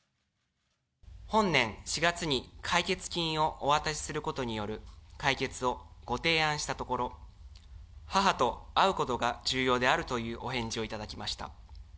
本年４月に解決金をお渡しすることによる解決をご提案したところ、母と会うことが重要であるというお返事をいただきました。